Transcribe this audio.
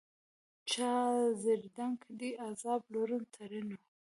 چا ژړېدنک دي عذاب لورن؛ ترينو